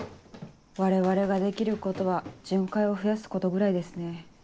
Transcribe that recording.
我々ができることは巡回を増やすことぐらいですね。